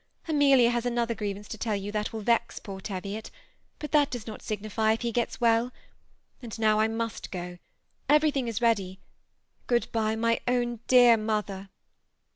Amelia has another grievance to tell you that will vex poor Teviot ; but that does not signify if he gets well ; and now I must go. Everything is ready ; good by, my own dear mother."